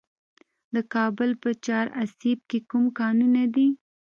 د کابل په چهار اسیاب کې کوم کانونه دي؟